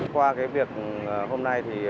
qua cái việc hôm nay thì